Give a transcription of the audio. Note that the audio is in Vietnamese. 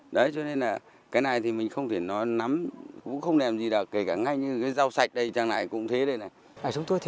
đấy cho nên là cái này thì mình không thể nói nắm cũng không làm gì được kể cả ngay như cái rau sạch đây chẳng hạn cũng thế đây này